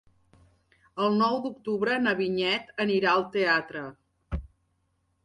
El nou d'octubre na Vinyet anirà al teatre.